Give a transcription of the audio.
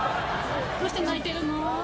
どうして泣いてるの？